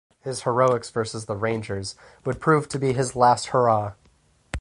His heroics versus the Rangers would prove to be his last hurrah.